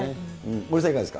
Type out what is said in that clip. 森さん、いかがですか。